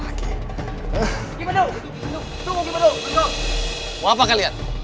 mau apa kalian